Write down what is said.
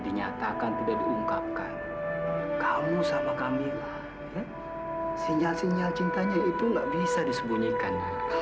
dinyatakan tidak diungkapkan kamu sama kamila sinyal sinyal cintanya itu nggak bisa disembunyikan